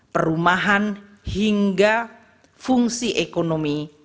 perumahan hingga fungsi ekonomi